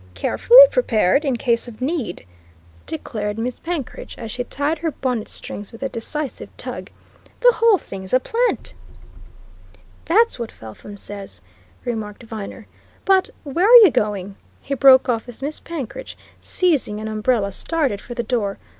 "Carefully prepared in case of need," declared Miss Penkridge as she tied her bonnet strings with a decisive tug. "The whole thing's a plant!" "That's what Felpham says," remarked Viner. "But where are you going?" he broke off as Miss Penkridge, seizing an umbrella, started for the door.